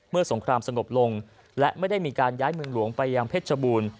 สงครามสงบลงและไม่ได้มีการย้ายเมืองหลวงไปยังเพชรบูรณ์